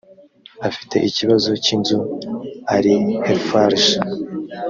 afite ikibazo cy inzu arihefarg